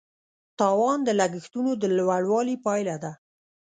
تاوان د لګښتونو د لوړوالي پایله ده.